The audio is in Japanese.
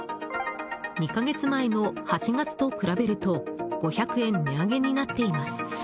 ２か月前の８月と比べると５００円値上げになっています。